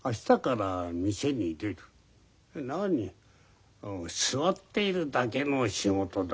なに座っているだけの仕事だ。